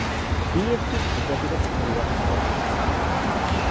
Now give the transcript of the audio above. D একটি দ্বী-জাতিগত পরিবার থেকে এসেছে।